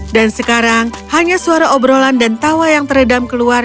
dan sekarang hanya suara obrolan dan tawa yang teredam keluar